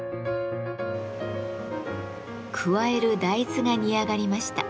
加える大豆が煮上がりました。